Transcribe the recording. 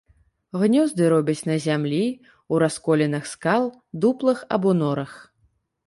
Гнёзды робяць на зямлі, у расколінах скал, дуплах або норах.